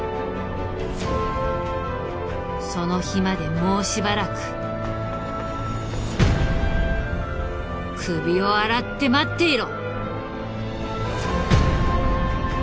その日までもうしばらく首を洗って待っていろ！